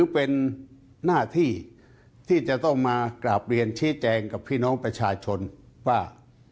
เป็นหน้าที่ที่จะต้องมากราบเรียนชี้แจงกับพี่น้องประชาชนว่า